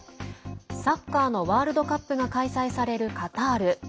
サッカーのワールドカップが開催されるカタール。